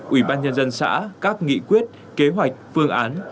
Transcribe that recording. ủy ban nhân dân xã các nghị quyết kế hoạch phương án